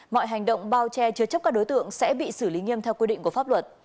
mọi hành động bao che chứa chấp các đối tượng sẽ bị xử lý nghiêm theo quy định của pháp luật